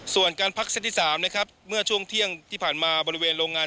ส่วนการพักเซตที่๓นะครับเมื่อช่วงเที่ยงที่ผ่านมาบริเวณโรงงาน